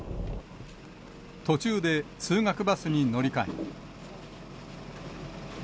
途中で通学バスに乗り換え。